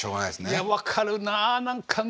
いや分かるなあ何かね